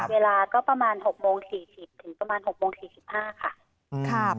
เวลาก็ประมาณ๖โมง๔๐ถึงประมาณ๖โมง๔๕ค่ะ